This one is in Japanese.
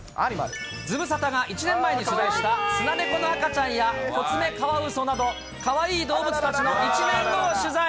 ズムサタが１年前に取材したスナネコの赤ちゃんやコツメカワウソなど、かわいい動物たちの一年を取材。